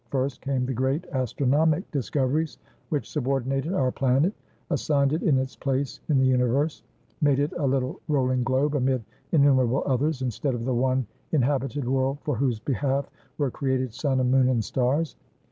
First came the great astronomic discoveries, which subordinated our planet, assigned it its place in the universe, made it a little rolling globe amid innumerable others, instead of the one inhabited world for whose behalf were created sun and moon and stars.